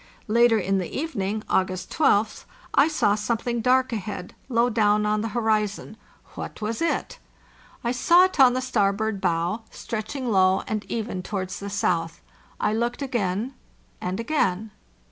Later in the evening (August 12th) I saw something dark ahead, low down on the horizon. What 580 FARTHEST NORTH was it? I saw it on the starboard bow, stretching low and even towards the south. I looked again and again.